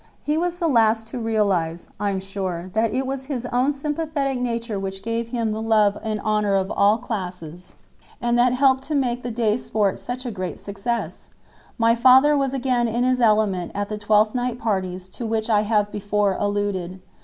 He was the last to realize, I am sure that it was his own sympathetic nature which gave him the love and honor of all classes, and that helped to make the day's sports such a great success! My father was again in his element at the Twelfth Night parties to which I have before alluded.